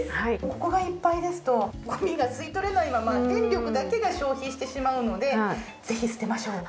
ここがいっぱいですとごみが吸い取れないまま電力だけが消費してしまうのでぜひ捨てましょう。